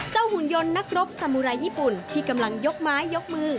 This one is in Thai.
หุ่นยนต์นักรบสามุไรญี่ปุ่นที่กำลังยกไม้ยกมือ